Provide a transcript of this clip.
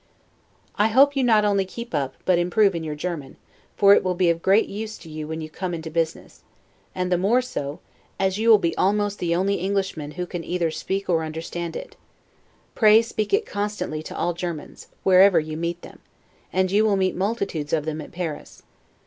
I hope you not only keep up, but improve in your German, for it will be of great use to you when you cone into business; and the more so, as you will be almost the only Englishman who either can speak or understand it. Pray speak it constantly to all Germans, wherever you meet them, and you will meet multitudes of them at Paris.